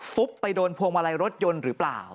ไปโดนพวงมาลัยรถยนต์หรือเปล่า